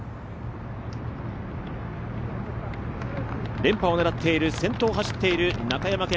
連覇を狙っている先頭を走っている中山顕。